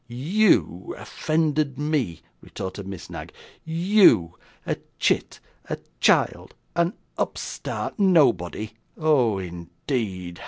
'YOU offended me!' retorted Miss Knag, 'YOU! a chit, a child, an upstart nobody! Oh, indeed!